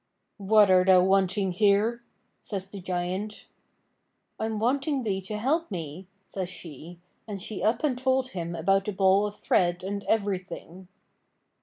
'What are thou wanting here?' says the Giant. 'I'm wanting thee to help me,' says she; and she up and told him about the ball of thread and everything.